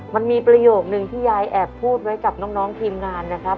มันมีประโยคนึงที่ยายแอบพูดไว้กับน้องทีมงานนะครับ